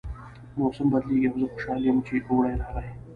موسم بدلیږي او زه خوشحاله یم چې اوړی راغی